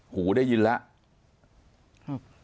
หูได้ยินแล้ว